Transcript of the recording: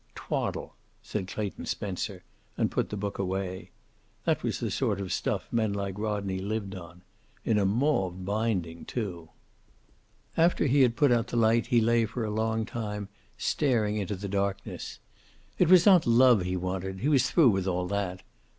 "Twaddle," said Clayton Spencer, and put the book away. That was the sort of stuff men like Rodney lived on. In a mauve binding, too. After he had put out the light he lay for a long time, staring into the darkness. It was not love he wanted: he was through with all that.